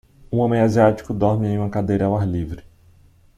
Um homem asiático dorme em uma cadeira ao ar livre.